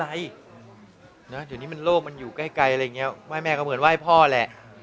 เดี๋ยวนี้มันโลกมันอยู่ใกล้อะไรอย่างนี้ไหว้แม่ก็เหมือนไหว้พ่อแหละ